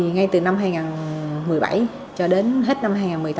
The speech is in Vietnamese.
ngay từ năm hai nghìn một mươi bảy cho đến hết năm hai nghìn một mươi tám